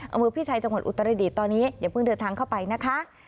อำเภอพี่ชัยจังหวัดอุตรดิษฐ์ตอนนี้อย่าเพิ่งเดินทางเข้าไปนะคะ